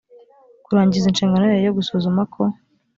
kurangiza inshingano yayo yo gusuzuma ko